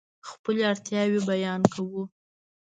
خپلې اړتیاوې بیان کوو.